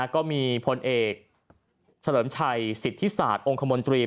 ก็มีพลเอกเฉลิมชัยสิทธิศาสตร์องค์คมนตรี